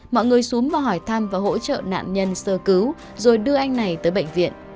mọi người xuống và hỏi thăm và hỗ trợ nạn nhân sơ cứu rồi đưa anh này tới bệnh viện